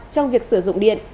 trong việc sử dụng điện